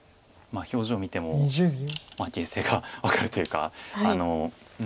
表情見ても形勢が分かるというか。